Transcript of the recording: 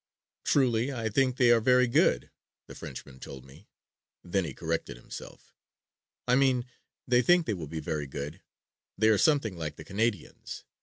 "Truly, I think they are very good," the Frenchman told me. Then he corrected himself. "I mean I think they will be very good. They are something like the Canadians.